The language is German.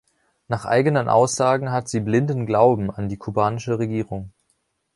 Nach eigenen Aussagen hat sie „blinden Glauben“ an die kubanische Regierung.